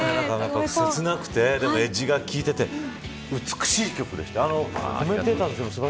切なくて、でもエッジが効いてて美しい曲でした。